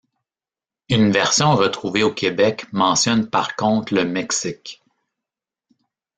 Une version retrouvée au Québec mentionne par contre le Mexique.